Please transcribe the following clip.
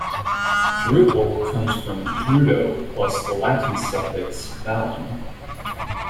"Druval" comes from "Drudo" plus the Latin suffix "vallem".